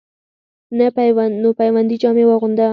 نو پیوندي جامې واغوندۀ،